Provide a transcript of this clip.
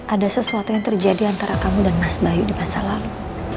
ada sesuatu yang terjadi antara kamu dan mas bayu di masa lalu